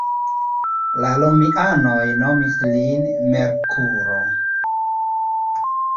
La romianoj nomis lin Merkuro.